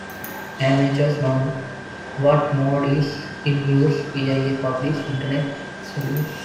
Amateurs know what mode is in use via published internet schedules.